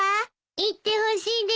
行ってほしいです。